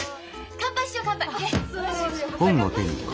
乾杯しよう乾杯！ね！